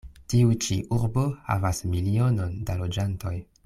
Tiu ĉi urbo havas milionon da loĝantoj.